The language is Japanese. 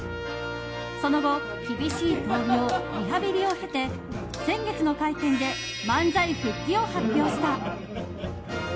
その後、厳しい闘病リハビリを経て先月の会見で漫才復帰を発表した。